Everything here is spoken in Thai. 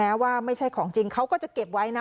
แม้ว่าไม่ใช่ของจริงเขาก็จะเก็บไว้นะ